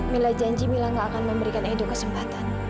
mila janji mila gak akan memberikan edo kesempatan